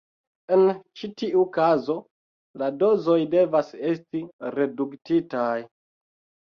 En ĉi tiu kazo, la dozoj devas esti reduktitaj.